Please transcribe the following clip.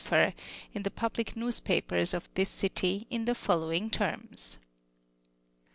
fer, in the public newspapers of this city in the fol lowing terms.